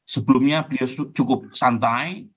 sebelumnya beliau cukup santai